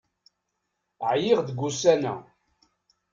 Ɛyiɣ deg-s ussan-a.